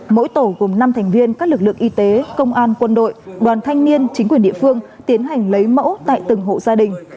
mỗi tổ gồm năm thành viên các lực lượng y tế công an quân đội đoàn thanh niên chính quyền địa phương tiến hành lấy mẫu tại từng hộ gia đình